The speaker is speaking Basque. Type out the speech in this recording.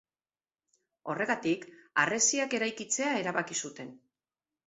Horregatik harresiak eraikitzea erabaki zuten.